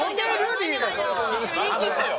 言いきってよ！